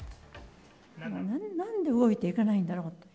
なんで動いていかないんだろうと。